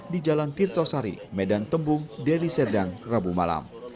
di jalan tirto sari medan tembung deri serdang rabu malam